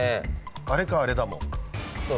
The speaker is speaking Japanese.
あれかあれだもう。